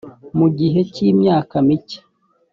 mugihe cy’ imyaka mike